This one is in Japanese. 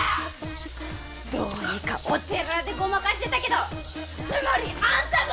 どうにかお寺でごまかしてたけどつまりアンタも。